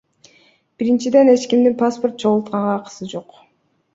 Биринчиден, эч кимдин паспорт чогултканга акысы жок.